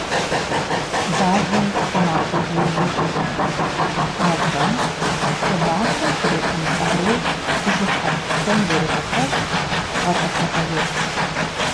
Бажэм щӏымахуэ жей ищӏыркъым, атӀэ щӏымахуэм хурикъун къару бжьыхьэ псом зэрегъэпэщ, гъэтӏылъыгъэ ещӏ.